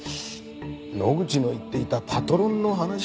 野口の言っていたパトロンの話はやはり本当。